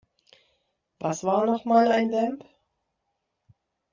Was war noch mal ein Vamp?